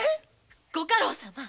ご家老様！